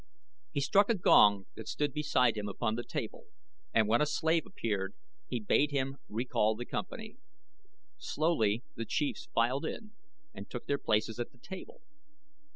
He struck a gong that stood beside him upon the table and when a slave appeared he bade him recall the company. Slowly the chiefs filed in and took their places at the table.